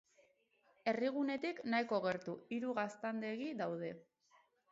Herrigunetik nahiko gertu, hiru gaztandegi daude.